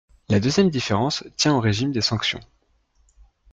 La deuxième différence tient au régime des sanctions.